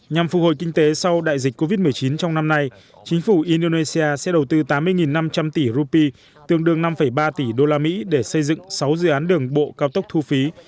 nhằm phục hồi kinh tế sau đại dịch covid một mươi chín trong năm nay chính phủ indonesia sẽ đầu tư tám mươi năm trăm linh tỷ rupee tương đương năm ba tỷ usd để xây dựng sáu dự án đường bộ cao tốc thu phí